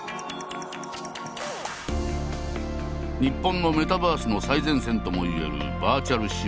日本のメタバースの最前線ともいえるバーチャル